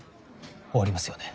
終わりますよね